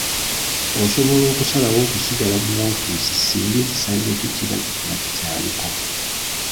Osobola okusalawo okusigala mu woofiisi singa ekisanja kyo kiba nga kikyaliko.